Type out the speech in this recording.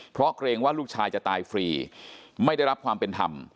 เพราะเกรงว่าลูกชายจะตายฟรีไม่ได้รับความเป็นธรรม